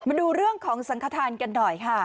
มาดูเรื่องของสังขทานกันหน่อยค่ะ